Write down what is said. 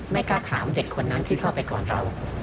ไม่กล้าถามเด็กคนนั้นที่เข้าไปกอดเรา